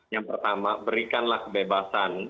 yang pertama berikanlah kebebasan setelah lima belas tahun